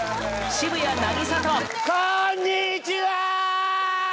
渋谷凪咲とこんにちは！